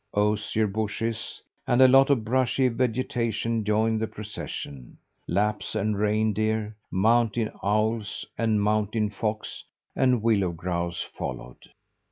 Osier bushes and a lot of brushy vegetation joined the procession. Laps and reindeer, mountain owl and mountain fox and willow grouse followed.